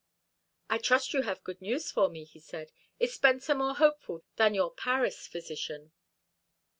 "I trust you have good news for me," he said. "Is Spencer more hopeful than your Paris physician?"